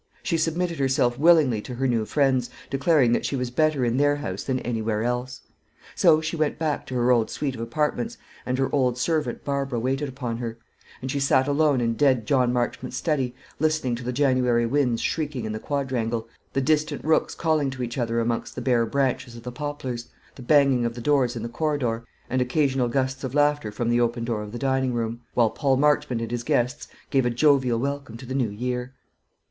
She submitted herself willingly to her new friends, declaring that she was better in their house than anywhere else. So she went back to her old suite of apartments, and her old servant Barbara waited upon her; and she sat alone in dead John Marchmont's study, listening to the January winds shrieking in the quadrangle, the distant rooks calling to each other amongst the bare branches of the poplars, the banging of the doors in the corridor, and occasional gusts of laughter from the open door of the dining room, while Paul Marchmont and his guests gave a jovial welcome to the new year.